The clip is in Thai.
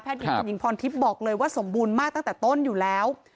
หญิงคุณหญิงพรทิพย์บอกเลยว่าสมบูรณ์มากตั้งแต่ต้นอยู่แล้ว